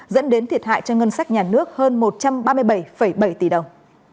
dẫn đến thiệt hại cho ngân sách nhà nước hơn một trăm ba mươi bảy bảy tỷ đồng